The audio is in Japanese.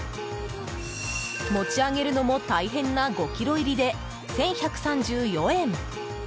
持ち上げるのも大変な５ｋｇ入りで１１３４円。